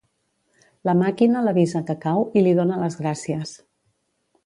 La màquina l'avisa que cau i li dóna les gràcies.